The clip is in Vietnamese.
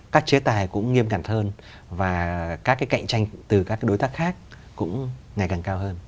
các chế tài cũng nghiêm ngặt hơn và các cái cạnh tranh từ các đối tác khác cũng ngày càng cao hơn